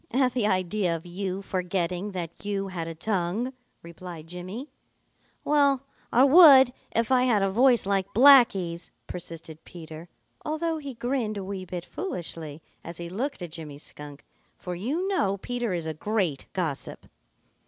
"At the idea of you forgetting that you had a tongue," replied Jimmy. "Well, I would if I had a voice like Blacky's," persisted Peter, although he grinned a wee bit foolishly as he looked at Jimmy Skunk, for you know Peter is a great gossip.